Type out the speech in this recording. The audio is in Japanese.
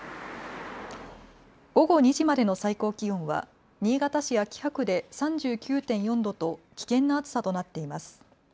午後２時までの最高気温は新潟市秋葉区で３９．４度と危険な暑さとなっています。